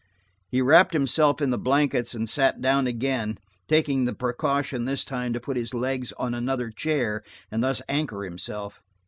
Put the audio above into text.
He wrapped himself in the blankets and sat down again, taking the precaution this time to put his legs on another chair and thus anchor himself.